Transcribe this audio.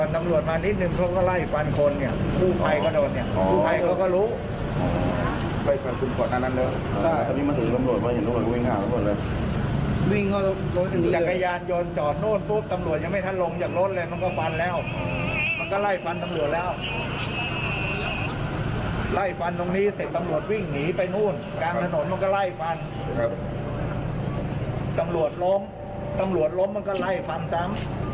ตำรวจฟันตำรวจวิ่งหนีไปนู่นกลางถนนมันก็ไล่ฟันตำรวจล้มตำรวจล้มมันก็ไล่ฟันซ้ำ